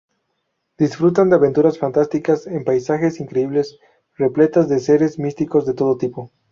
Disfrutan de aventuras fantásticas en paisajes increíbles, repletas de seres místicos de todo tipo.